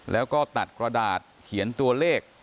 แล้วก็ตัดกระดาษเขียนตัวเลข